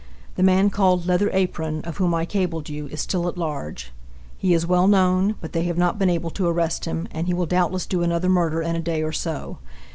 The man called "Leather Apron," of whom I cabled you, is still at large. He is well known, but they have not been able to arrest him, and he will doubtless do another murder in a day or so.